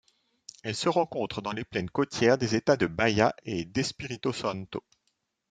Elle se rencontre dans les plaines côtières des États de Bahia et d'Espírito Santo.